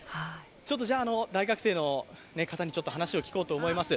大学生の方に話を聞こうと思います。